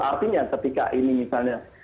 artinya ketika ini misalnya